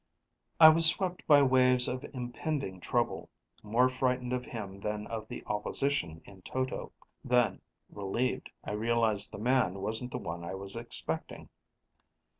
I was swept by waves of impending trouble, more frightened of him than of the opposition in toto. Then, relieved, I realized the man wasn't the one I was expecting.